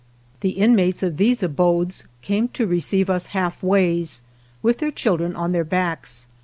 The inmates of these abodes came to re ceive us halfways, with their children on their backs.